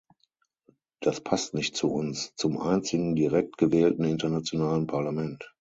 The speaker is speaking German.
Das passt nicht zu uns, zum einzigen direkt gewählten internationalen Parlament.